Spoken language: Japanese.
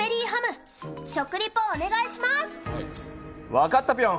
分かったぴょん！